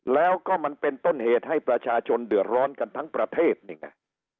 แล้วก็มันเป็นต้นเหตุให้ประชาชนเดือดร้อนกันทั้งประเทศนี่ไง